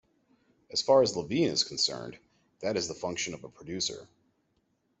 As far as Levine is concerned, that is the function of a producer.